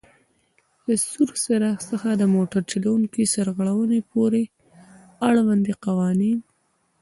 له سور څراغ څخه د موټر چلوونکي سرغړونې پورې آړوند قوانین: